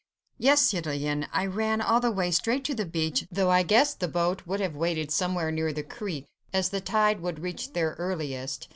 "Yes, citoyen! I ran all the way, straight to the beach, though I guessed the boat would have waited somewhere near the creek, as the tide would reach there earliest.